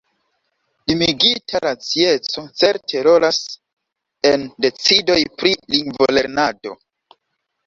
Limigita racieco certe rolas en decidoj pri lingvolernado!